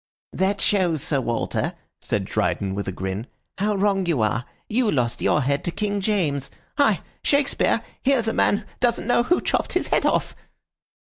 "That shows, Sir Walter," said Dryden, with a grin, "how wrong you are. You lost your head to King James. Hi! Shakespeare, here's a man doesn't know who chopped his head off."